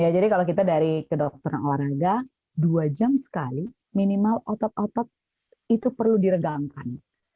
jadi kalau kita dari kedokteran olahraga dua jam sekali minimal otot otot itu perlu diregangkan